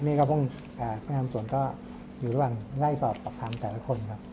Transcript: นี่ก็พรุ่งการทำสวนก็อยู่ระหว่างรายสอบประคัมแต่ละคนครับ